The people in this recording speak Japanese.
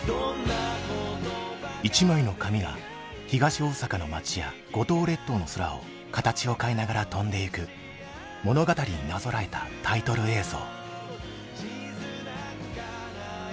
一枚の紙が東大阪の街や五島列島の空を形を変えながら飛んでいく物語になぞらえたタイトル映像。